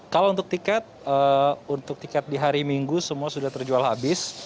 kalau untuk tiket untuk tiket di hari minggu semua sudah terjual habis